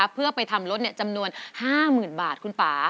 เพื่อไปทำรถจำนวน๕๐๐๐บาทคุณป่า